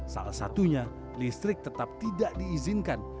salah satunya listrik tetap tidak diizinkan